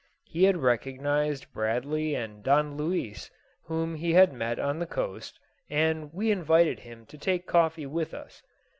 He had recognized Bradley and Don Luis, whom he had met on the coast, and we invited him to take coffee with us.